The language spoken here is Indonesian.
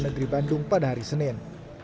negeri bandung pada hari senin